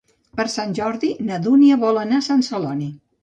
Per Sant Jordi na Dúnia vol anar a Sant Celoni.